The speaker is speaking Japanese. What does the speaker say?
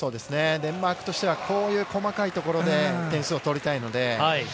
デンマークとしては、こういう細かいところで点数を取りたいので。